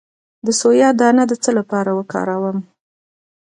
د سویا دانه د څه لپاره وکاروم؟